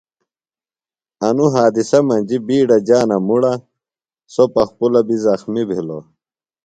انوۡ حادِثہ مجیۡ بِیڈہ جانہ مُڑہ۔ سوۡ پخپُلہ بیۡ زخمیۡ بِھلوۡ۔